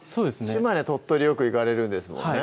島根・鳥取よく行かれるんですもんね